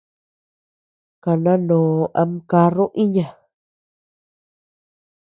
Kandanoo am caruu iña.